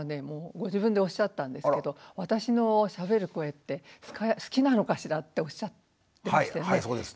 ご自分でおっしゃったんですけど私のしゃべる声って好きなのかしらっておっしゃってましたよね。